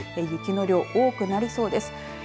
雪の量、多くなりそうです。